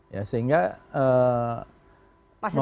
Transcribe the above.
ya sehingga mempunyai